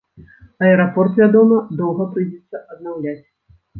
Аэрапорт, вядома, доўга прыйдзецца аднаўляць.